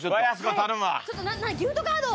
ちょっとギフトカード。